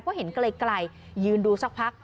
เพราะเห็นไกลยืนดูสักพัก